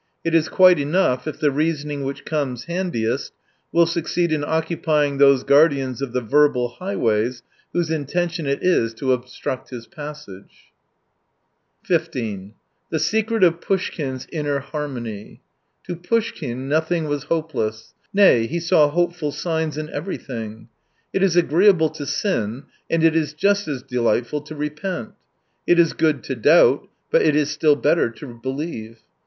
It is quite enough if the reasoning which comes handiest will succeed in occupy ing those guardians of the verbal highways whose intention it is to obstruct his passage. The Secret of PWshkin's " inner har mony." — To Poushkin nothing was hope less. Nay, he saw hopeful signs in every r thing. It is agreeable to sin, and it is just as delightful to repent. It is good to doubt, but it is still better to believe.